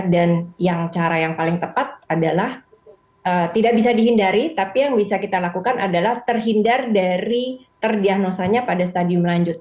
dan yang cara yang paling tepat adalah tidak bisa dihindari tapi yang bisa kita lakukan adalah terhindar dari terdiagnosanya pada stadium lanjut